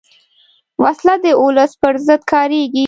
وسله د ولس پر ضد کارېږي